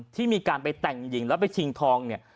ที่มีการไปแต่งหญิงแล้วไปชิงทองเนี่ย